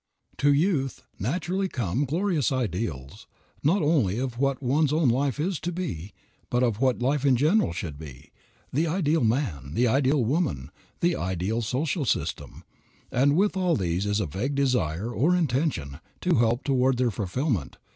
To youth, naturally, come glorious ideals, not only of what one's own life is to be, but of what life in general should be, the ideal man, the ideal woman, the ideal social system, and with all these is a vague desire or intention to help toward their fulfillment.